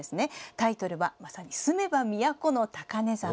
タイトルは「住めば都の高根沢」。